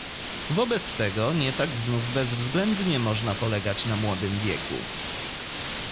"Wobec tego nie tak znów bezwzględnie można polegać na młodym wieku."